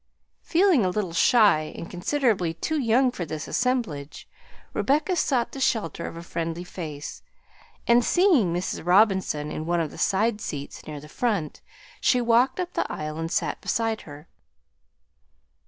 Feeling a little shy and considerably too young for this assemblage, Rebecca sought the shelter of a friendly face, and seeing Mrs. Robinson in one of the side seats near the front, she walked up the aisle and sat beside her.